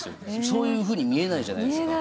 そういうふうに見えないじゃないですか？